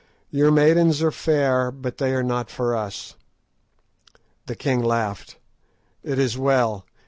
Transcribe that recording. Your maidens are fair, but they are not for us!" The king laughed. "It is well.